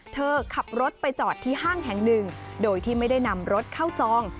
เธอขับรถไปจอดที่ห้างแห่งหนึ่งโดยที่ไม่ได้นำรถเข้าซอง